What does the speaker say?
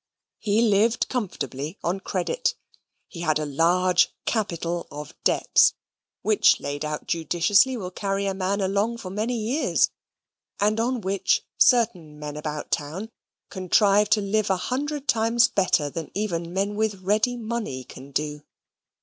He lived comfortably on credit. He had a large capital of debts, which laid out judiciously, will carry a man along for many years, and on which certain men about town contrive to live a hundred times better than even men with ready money can do.